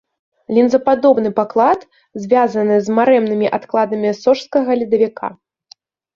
Лінзападобны паклад звязаны з марэннымі адкладамі сожскага ледавіка.